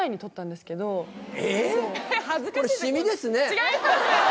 違います！